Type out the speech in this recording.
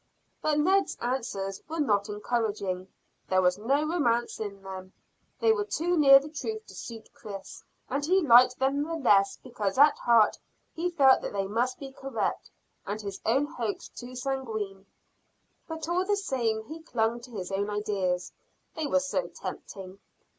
But Ned's answers were not encouraging. There was no romance in them; they were too near the truth to suit Chris, and he liked them the less because at heart he felt that they must be correct and his own hopes too sanguine. But all the same he clung to his own ideas they were so tempting.